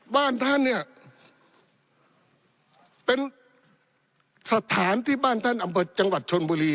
บ้านท่านเนี่ยเป็นสถานที่บ้านท่านอำเภอจังหวัดชนบุรี